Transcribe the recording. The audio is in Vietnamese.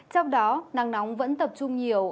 trong đó nắng nóng vẫn tập trung nhiều